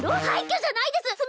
廃虚じゃないです！